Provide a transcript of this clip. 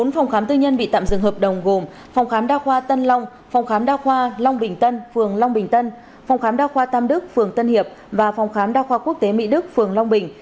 bốn phòng khám tư nhân bị tạm dừng hợp đồng gồm phòng khám đa khoa tân long phòng khám đa khoa long bình tân phường long bình tân phòng khám đa khoa tâm đức phường tân hiệp và phòng khám đa khoa quốc tế mỹ đức phường long bình